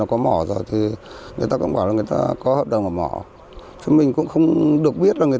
còn nguồn góp cát thì không rõ